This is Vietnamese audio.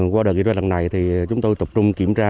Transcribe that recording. qua đời kỳ đoạn lần này thì chúng tôi tập trung kiểm tra